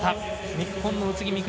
日本の宇津木美都